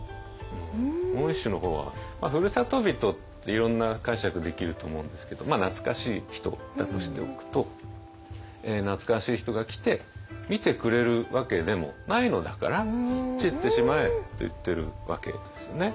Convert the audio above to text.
もう一首の方は「ふる里人」っていろんな解釈できると思うんですけどまあ懐かしい人だとしておくと「懐かしい人が来て見てくれるわけでもないのだから散ってしまえ」と言ってるわけですよね。